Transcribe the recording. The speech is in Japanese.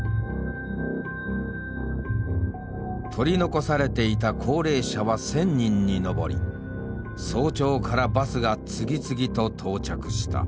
取り残されていた高齢者は千人に上り早朝からバスが次々と到着した。